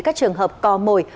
các trường hợp cò mồi